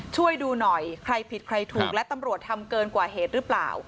ช่วยดูหน่อยใครผิดใครถูกและตำรวจทำเกินกว่าเหตุหรือเปล่า